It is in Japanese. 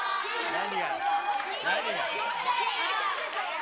何が。